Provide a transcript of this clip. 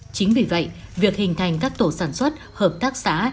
chính vì vậy việc hình thành các tổ sản xuất hợp tác xã